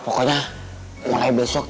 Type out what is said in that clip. pokoknya mulai besok